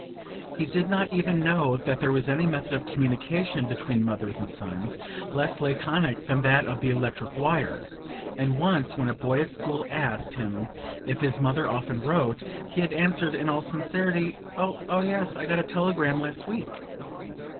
He did not even know that there was any method of communication between mothers and sons less laconic than that of the electric wire; and once, when a boy at school asked him if his mother often wrote, he had answered in all sincerity: "Oh yes I got a telegram last week."